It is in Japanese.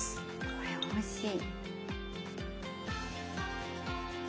これおいしい。